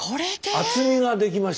厚みができました。